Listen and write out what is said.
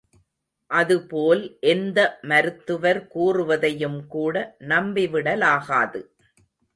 அதுபோல் எந்த மருத்துவர் கூறுவதையும் கூட நம்பிவிடலாகாது.